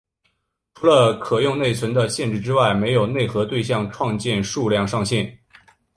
除了可用内存的限制之外没有内核对象创建数量上限。